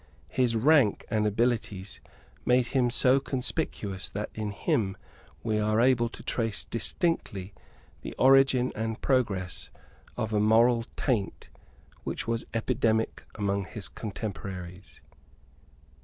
His rank and abilities made him so conspicuous that in him we are able to trace distinctly the origin and progress of a moral taint which was epidemic among his contemporaries.